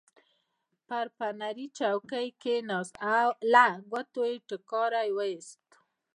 پر فنري څوکۍ کېناست، له ګوتو یې ټکاری وایست.